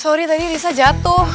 sorry tadi risa jatuh